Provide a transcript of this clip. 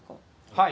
はい。